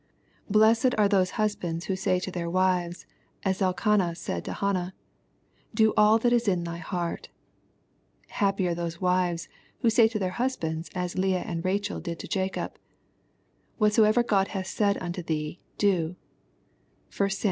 Blessed i 80 EXPOsrroBT thoughts. are those husbands who say to their wives as Elkanah did to Hannah^ *^ Do all that is in thy hearfc/' Happy are those wives who say to their husbands as Leah and Bachel did to Jacob, '^ Whatsoever God hath said unto thee, do/' (1 Sam.